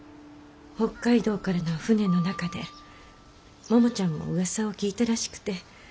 北海道からの船の中でももちゃんもうわさを聞いたらしくて。